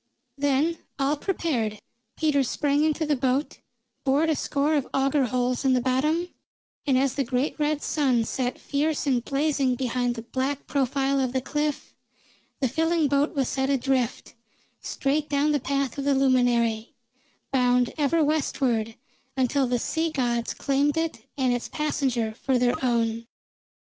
Then, all prepared, Peters sprang into the boat, bored a score of auger holes in the bottom, and as the great red sun set fierce and blazing behind the black profile of the cliff, the filling boat was set adrift, straight down the path of the luminary, bound ever westward, until the sea gods claimed it and its passenger for their own.